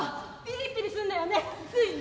ピリピリするんだよねつい。